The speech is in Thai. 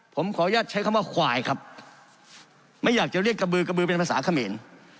ผมขออนุญาตใช้คำว่าควายครับไม่อยากจะเรียกกระบือกระบือเป็นภาษาเขมร